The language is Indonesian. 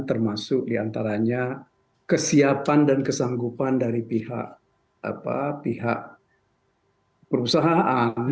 termasuk di antaranya kesiapan dan kesanggupan dari pihak perusahaan